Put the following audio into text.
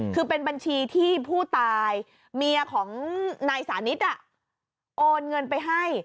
คือเป็นบัญชีที่ผู้ตายเมียของนายสานิทโอนเงินไปให้